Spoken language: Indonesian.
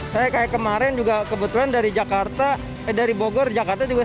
saya kayak kemarin juga kebetulan dari jakarta eh dari bogor jakarta juga